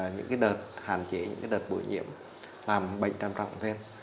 những đợt hạn chế những đợt bụi nhiễm làm bệnh trầm trọng thêm